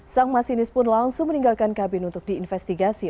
sang masinis pun langsung meninggalkan kabin untuk diinvestigasi